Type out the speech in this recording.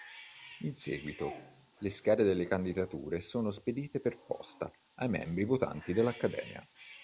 In seguito, le schede delle candidature sono spedite per posta ai membri votanti dell'accademia.